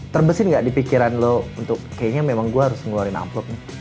terbesin gak di pikiran lo untuk kayaknya memang gue harus ngeluarin amplop nih